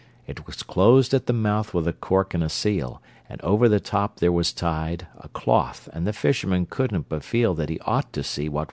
It was closed at the mouth with a cork and a seal, And over the top there was tied A cloth, and the fisherman couldn't but feel That he ought to see what was inside.